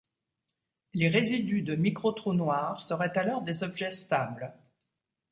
Les résidus de micro trous noirs seraient alors des objets stables.